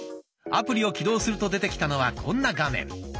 アプリを起動すると出てきたのはこんな画面。